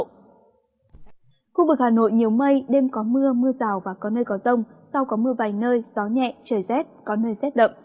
khu vực hà nội nhiều mây đêm có mưa mưa rào và có nơi có rông sau có mưa vài nơi gió nhẹ trời rét có nơi rét đậm